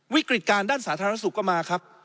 วิกฤติการด้านสาธารณสุขก็มาครับ